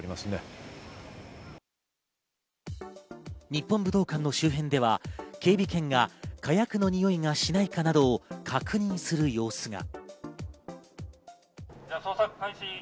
日本武道館の周辺では警備犬が火薬のにおいがしないかなどを確認する様子が。